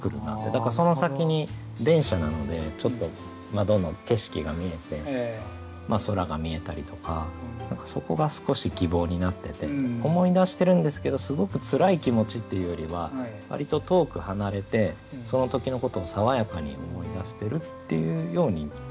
だからその先に電車なのでちょっと窓の景色が見えて空が見えたりとかそこが少し希望になってて思い出してるんですけどすごくつらい気持ちっていうよりは割と遠く離れてその時のことを爽やかに思い出してるっていうように読みました。